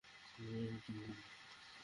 যাও একটু ঘুমাও।